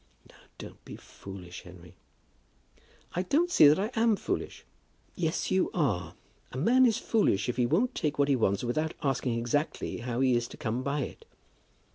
"Now don't be foolish, Henry." "I don't see that I am foolish." "Yes, you are. A man is foolish if he won't take what he wants without asking exactly how he is to come by it.